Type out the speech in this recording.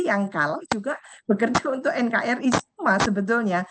yang kalau juga bekerja untuk nkri semua sebetulnya